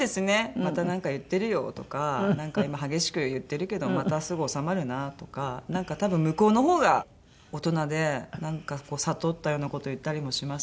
「またなんか言ってるよ」とか「なんか今激しく言ってるけどまたすぐ収まるな」とか多分向こうの方が大人でなんかこう悟ったような事を言ったりもしますし。